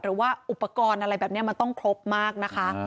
หรือว่าอุปกรณ์อะไรแบบนี้มันต้องครบมากนะคะ